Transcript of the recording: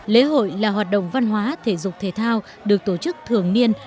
lễ hội là hoạt động văn hóa thể dục thể thao được tổ chức thường niên